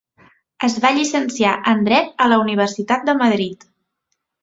Es va llicenciar en Dret a la Universitat de Madrid.